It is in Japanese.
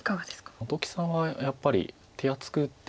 本木さんはやっぱり手厚く打って。